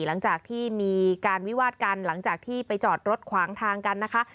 หลังจากที่มีการวิวาดกันหลังจากที่ไปจอดรถขวางทางกันนะคะ